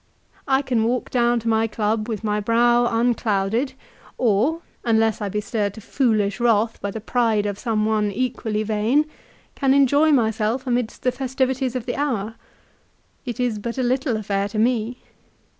I can walk down to my club with my brow unclouded, or, unless I be stirred to foolish wrath by the pride of some one equally vain, can enjoy myself amidst the festivities of the hour. It is but a little affair to me.